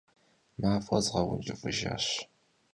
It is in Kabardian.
Maf'er zğeunç'ıf'ıjjaş.